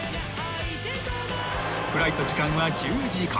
［フライト時間は１０時間］